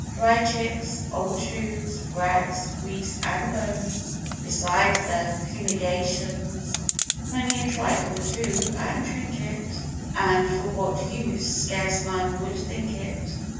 Dry chips, old shoes, rags, grease, and bones, Beside their fumigations. Many a trifle, too, and trinket, And for what use, scarce man would think it.